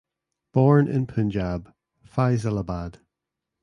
Born in Punjab(Faisalabad).